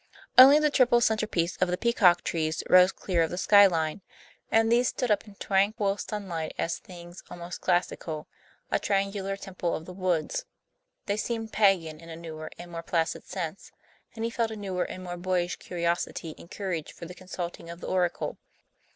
Only the triple centerpiece of the peacock trees rose clear of the sky line; and these stood up in tranquil sunlight as things almost classical, a triangular temple of the winds. They seemed pagan in a newer and more placid sense; and he felt a newer and more boyish curiosity and courage for the consulting of the oracle.